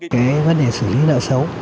cái vấn đề xử lý nợ xấu